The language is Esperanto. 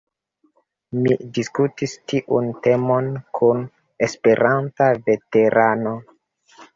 Mi diskutis tiun temon kun Esperanta veterano.